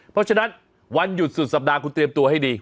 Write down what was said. เพราะฉะนั้นวันหยุดสุดสัปดาห์คุณเตรียมตัวให้ดี